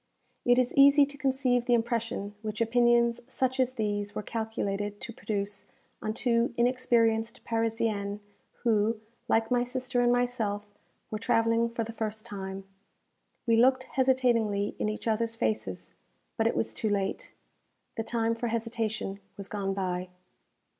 It is easy to conceive the impression which opinions such as these were calculated to produce on two inexperienced Parisiennes, who, like my sister and myself, were travelling for the first time. We looked hesitatingly in each others faces; but it was too late. The time for hesitation was gone by.